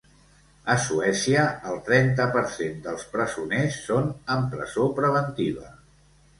A Suècia el trenta per cent dels presoners són en presó preventiva.